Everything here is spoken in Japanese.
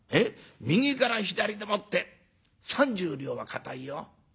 右から左でもって３０両は堅いよ。